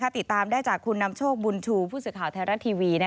ติดตามได้จากคุณนามโชคบุญชูผู้เศียร์ข่าวแทนรัฐทีวี